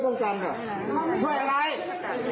ก็แจ้งจังเลย